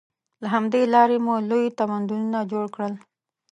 له همدې لارې مو لوی تمدنونه جوړ کړل.